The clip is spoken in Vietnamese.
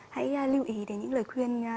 hãy lưu ý đến những lời khuyên